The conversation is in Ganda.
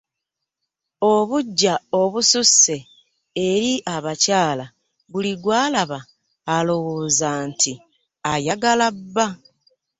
Obuggya obususse eri abakyala buli gw’alaba alowooza nti ayagala bba.